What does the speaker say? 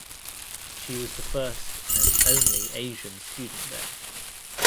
She was the first and only Asian student there.